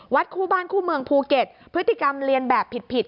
คู่บ้านคู่เมืองภูเก็ตพฤติกรรมเรียนแบบผิดผิด